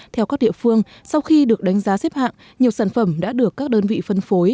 theo các địa phương sau khi được đánh giá xếp hạng nhiều sản phẩm đã được các đơn vị phân phối